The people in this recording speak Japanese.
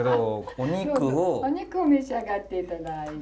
お肉を召し上がって頂いて。